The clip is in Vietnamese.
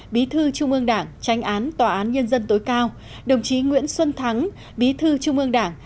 bí thư trung ương đảng tránh án tòa án nhân dân tối cao đồng chí nguyễn xuân thắng bí thư trung ương đảng